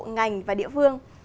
ngành và địa phương